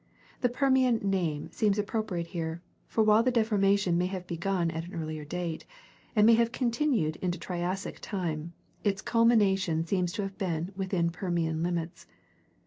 The Permian name seems appropriate here, for while the deformation may have begun at an earlier date, and may have continued into Triassic time, its culmination seems to have been within Permian limits.